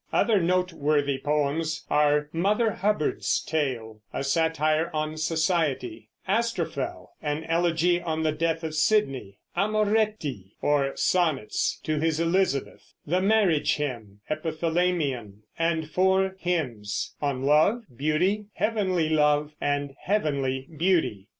Other noteworthy poems are "Mother Hubbard's Tale," a satire on society; "Astrophel," an elegy on the death of Sidney; Amoretti, or sonnets, to his Elizabeth; the marriage hymn, "Epithalamion," and four "Hymns," on Love, Beauty, Heavenly Love, and Heavenly Beauty.